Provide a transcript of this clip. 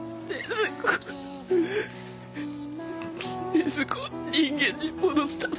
禰豆子を人間に戻すため。